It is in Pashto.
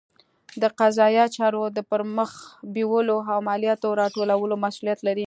د قضایي چارو د پرمخ بیولو او مالیاتو راټولولو مسوولیت لري.